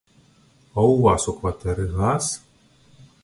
А у вас у кватэры газ?